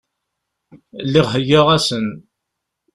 Lliɣ heggaɣ-asen.